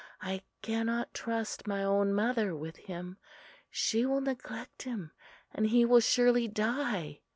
I cannot trust my own mother with him; she will neglect him and he will surely die."